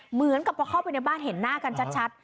เหมือนกับพอเข้าไปในบ้านเห็นหน้ากันชัด